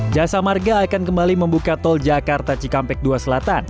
jasa marga akan kembali membuka tol jakarta cikampek dua selatan